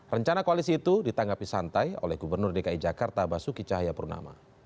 rencana koalisi itu ditanggapi santai oleh gubernur dki jakarta basuki cahayapurnama